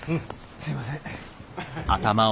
すいません。